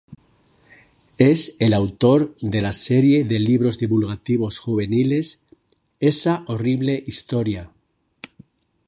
Es el autor de la serie de libros divulgativos juveniles "Esa Horrible Historia".